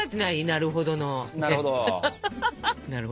なるほど。